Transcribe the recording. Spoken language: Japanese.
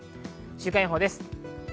週間予報です。